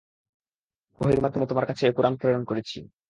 ওহীর মাধ্যমে তোমার কাছে এ কুরআন প্রেরণ করেছি।